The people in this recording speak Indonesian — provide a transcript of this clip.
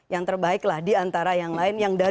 yang terbaik lah diantara yang lain